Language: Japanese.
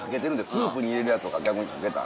スープに入れるやつを逆にかけた。